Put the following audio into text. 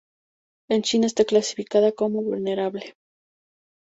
En China está clasificada como vulnerable.